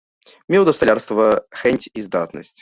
Меў да сталярства хэнць і здатнасць.